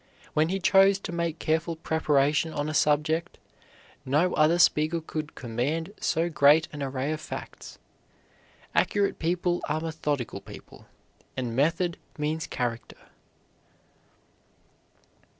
When he chose to make careful preparation on a subject, no other speaker could command so great an array of facts. Accurate people are methodical people, and method means character.